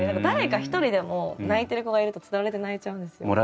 誰か一人でも泣いてる子がいるとつられて泣いちゃうんですよ。